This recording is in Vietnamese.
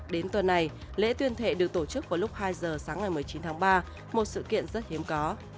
đến tuần này lễ tuyên thệ được tổ chức vào lúc hai giờ sáng ngày một mươi chín tháng ba một sự kiện rất hiếm có